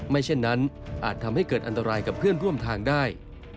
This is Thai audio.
เช่นนั้นอาจทำให้เกิดอันตรายกับเพื่อนร่วมทางได้